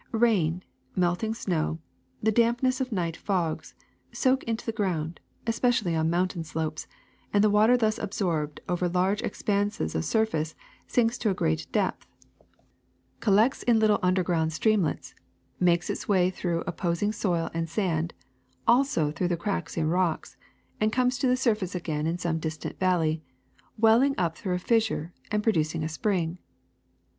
Rain, melting snow, the dampness of night fogs, soak into the ground, especially on mountain slopes ; and the water thus absorbed over large expanses of sur face sinks to a great depth, collects in little under 248 WATER 249 ground streamlets, makes its way through opposmg soil and sand, also through the cracks in rocks, and comes to the surface again in some distant valley, welling up through a fissure and producing a spring.